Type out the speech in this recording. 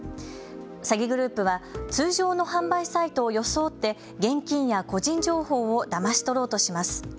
詐欺グループは通常の販売サイトを装って現金や個人情報をだまし取ろうとします。